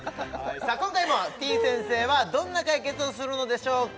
今回もてぃ先生はどんな解決をするのでしょうか